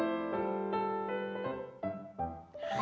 はい。